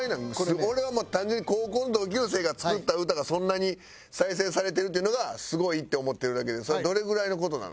俺はもう単純に高校の同級生が作った歌がそんなに再生されてるっていうのがすごいって思ってるだけでそれどれぐらいの事なの？